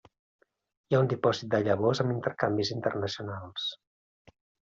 Hi ha un dipòsit de llavors amb intercanvis internacionals.